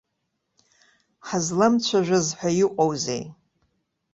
Ҳазламцәажәаз ҳәа иҟоузеи.